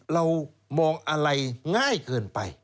เรามองอะไรง่ายเกินไป